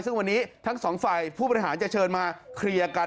ซึ่งวันนี้ทั้งสองฝ่ายผู้บริหารจะเชิญมาเคลียร์กัน